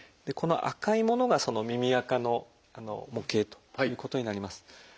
この赤いものが耳あかの模型ということになります。